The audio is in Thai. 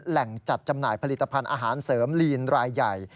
แหล่งจัดจำหน่ายผลิตภัณฑ์อาหารเสริมลีนรายใหญ่